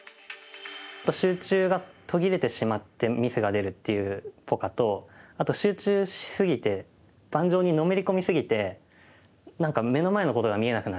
集中が途切れてしまってミスが出るっていうポカとあと集中し過ぎて盤上にのめり込み過ぎて何か目の前のことが見えなくなっちゃう。